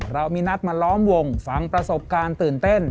เรามีนัดมาล้อมวงฟังประสบการณ์ตื่นเต้น